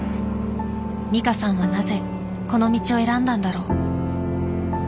美香さんはなぜこの道を選んだんだろう。